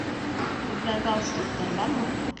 Һеҙҙә галстуктар бармы?